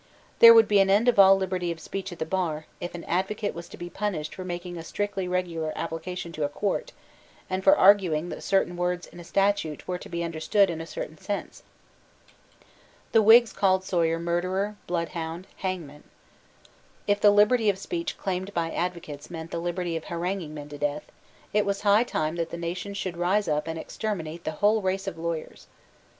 There would be an end of all liberty of speech at the bar, if an advocate was to be punished for making a strictly regular application to a Court, and for arguing that certain words in a statute were to be understood in a certain sense. The Whigs called Sawyer murderer, bloodhound, hangman. If the liberty of speech claimed by advocates meant the liberty of haranguing men to death, it was high time that the nation should rise up and exterminate the whole race of lawyers.